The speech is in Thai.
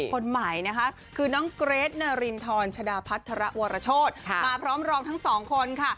คนใหม่นะคะคือน้องเกรทนารินทรชดาพัฒระวรโชธมาพร้อมรองทั้งสองคนค่ะ